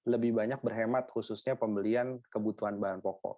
lebih banyak berhemat khususnya pembelian kebutuhan bahan pokok